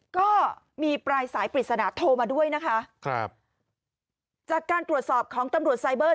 ก็มีปลายสายปริศนาโทรมาด้วยนะคะครับจากการตรวจสอบของตำรวจไซเบอร์